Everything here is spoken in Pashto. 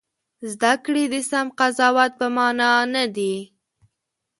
زده کړې د سم قضاوت په مانا نه دي.